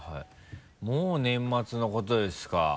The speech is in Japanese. もう年末のことですか？